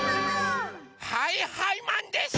はいはいマンです！